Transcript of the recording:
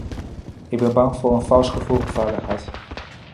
Ik ben bang voor een vals gevoel van veiligheid.